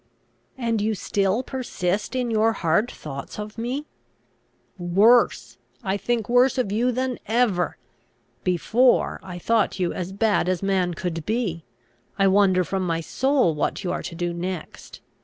"And you still persist in your hard thoughts of me?" "Worse! I think worse of you than ever! Before, I thought you as bad as man could be. I wonder from my soul what you are to do next.